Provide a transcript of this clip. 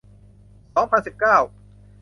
สองพันสิบเก้า